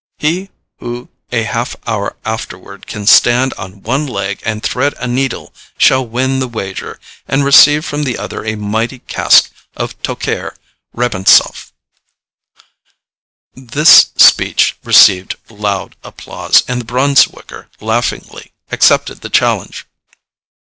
He who a half hour afterward can stand on one leg and thread a needle shall win the wager, and receive from the other a mighty cask of Tokayer Rebensafte." This speech received loud applause, and the Brunswicker laughingly accepted the challenge.